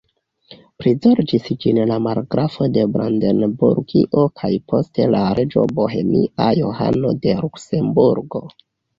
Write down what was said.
Prizorĝis ĝin la margrafo de Brandenburgio kaj poste la reĝo bohemia Johano de Luksemburgo.